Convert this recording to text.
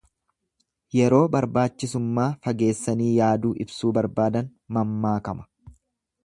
Yeroo barbaachisummaa fageessanii yaaduu ibsuu barbaadan mammaakama.